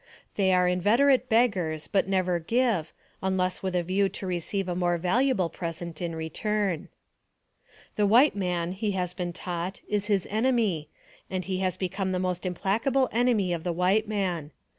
They are inveterate beggars, but never give, unless with a view to receive a more valuable present in return. The white man, he has been taught, is his enemy, and he has become the most implacable enemy of the white man.